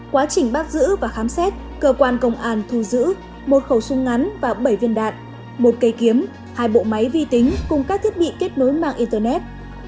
quá trình bắt giữ và khám xét cơ quan công an thu giữ một khẩu súng ngắn và bảy viên đạn một cây kiếm hai bộ máy vi tính cùng các thiết bị kết nối mạng internet